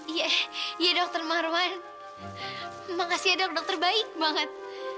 iya dokter marwan makasih ya dok dokter baik banget